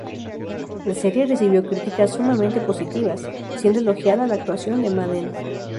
La serie recibió críticas sumamente positivas, siendo elogiada la actuación de Madden.